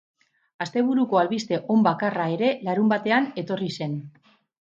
Asteburuko albiste on bakarra ere larunbatean etorri zen.